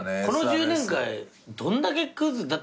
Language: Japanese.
この１０年間どんだけクズ。